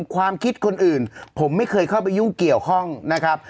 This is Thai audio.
ความคิดคนอื่นผมไม่เคยเข้าไปยุ่งเกี่ยวข้องนะครับ